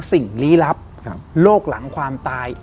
สิ่งลี้ลับโลกหลังความตาย